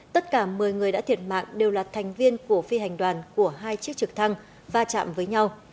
tất cả một mươi người đã thiệt mạng đều là thành viên của phi hành đoàn của hai chiếc trực thăng va chạm với nhau